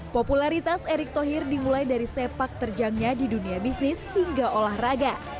popularitas erick thohir dimulai dari sepak terjangnya di dunia bisnis hingga olahraga